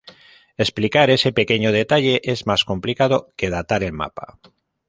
Explicar ese "pequeño" detalle es más complicado que datar el mapa.